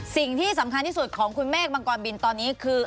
สิ่งที่สำคัญที่สุดของคุณเมฆมังกรบินตอนนี้คือ